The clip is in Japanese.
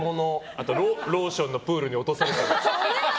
あと、ローションのプールに落とされたり。